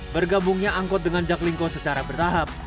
bergabungnya angkot dengan jaklingko secara bertahap